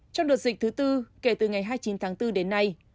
trong đợt dịch thứ tư kể từ ngày hai mươi chín tháng bốn đến nay